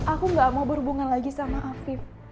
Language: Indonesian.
aku gak mau berhubungan lagi sama hafib